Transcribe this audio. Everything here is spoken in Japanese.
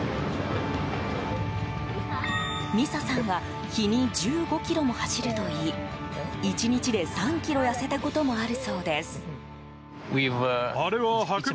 ミサさんは日に１５ｋｍも走るといい１日で３ｋｇ痩せたこともあるそうです。